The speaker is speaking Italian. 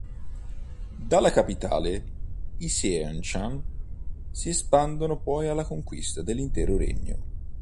Dalla capitale, i Seanchan si espandono poi alla conquista dell'intero regno.